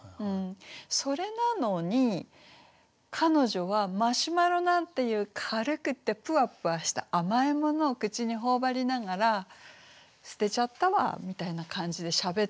それなのに彼女はマシュマロなんていう軽くてぷわぷわした甘いものをくちにほおばりながら「捨てちゃったわ」みたいな感じでしゃべってる。